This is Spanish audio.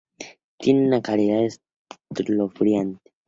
Tiene una calidad escalofriante".